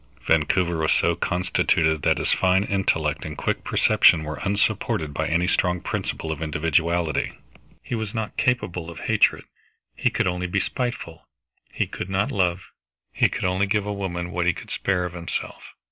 Vancouver was so constituted that his fine intellect and quick perception were unsupported by any strong principle of individuality. He was not capable of hatred he could only be spiteful; he could not love, he could only give a woman what he could spare of himself.